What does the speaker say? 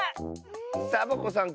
サボ子さん